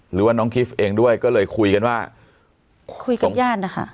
หรือว่าน้องกิฟต์เองด้วยก็เลยคุยกันว่าคุยกับญาตินะคะ